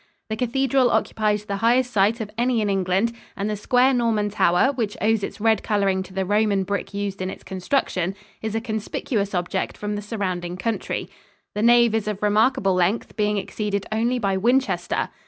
The cathedral occupies the highest site of any in England, and the square Norman tower, which owes its red coloring to the Roman brick used in its construction, is a conspicuous object from the surrounding country. The nave is of remarkable length, being exceeded only by Winchester.